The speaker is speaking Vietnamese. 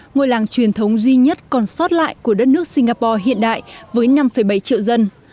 ngôi làng truyền thống duy nhất còn sót lại của đất nước singapore hiện đại với năm bảy triệu dân